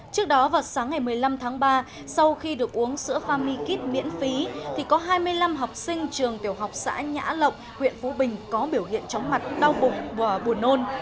trước đó vào sáng ngày một mươi năm tháng ba sau khi được uống sữa famikit miễn phí thì có hai mươi năm học sinh trường tiểu học xã nhã lộng huyện phú bình có biểu hiện chóng mặt đau bụng bỏ buồn nôn